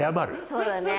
そうだね。